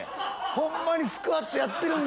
ホンマにスクワットやってる。